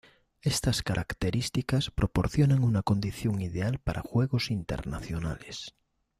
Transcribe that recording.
Estas características proporcionan una condición ideal para juegos internacionales.